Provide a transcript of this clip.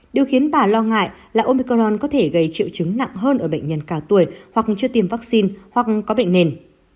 điều khiến bà lo ngại là omicron có thể gây triệu chứng nặng hơn ở bệnh nhân cao tuổi hoặc chưa tiêm vaccine hoặc có bệnh nền